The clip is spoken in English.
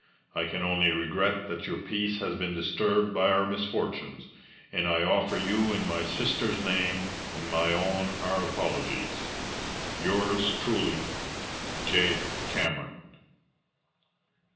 I can only regret that your peace has been disturbed by our misfortunes, and I offer you in my sister's name and my own our apologies." "Yours truly, "J. CAMERON."